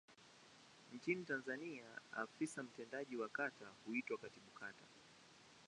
Nchini Tanzania afisa mtendaji wa kata huitwa Katibu Kata.